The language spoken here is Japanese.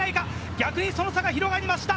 逆にその差が広がりました！